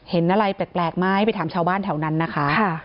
เห็นอะไรแปลกไหมไปถามชาวบ้านแถวนั้นนะคะ